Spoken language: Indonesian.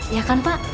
ya kan pak